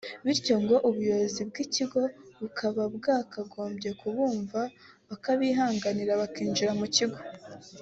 bityo ngo ubuyobozi bw’ikigo bukaba bwakagombye kubumva bukabihanganira bakinjira mu kigo